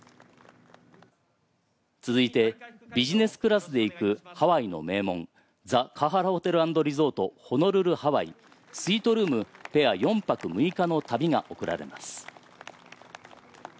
続いて、ビジネスクラスで行くハワイの名門「ザ・カハラ・ホテル＆リゾートホノルル・ハワイ」スイートルームペア４泊６日の旅が贈られます